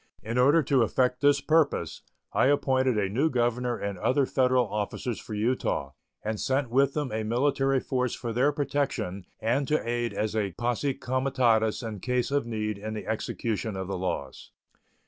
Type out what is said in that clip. In order to effect this purpose, I appointed a new governor and other Federal officers for Utah and sent with them a military force for their protection and to aid as a posse comitatus in case of need in the execution of the laws.